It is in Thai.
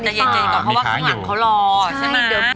ใจเย็นก่อนเพราะว่าข้างหลังเขารอใช่ไหม